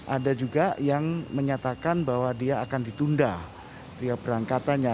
ada juga yang menyatakan bahwa dia akan ditunda dia berangkatannya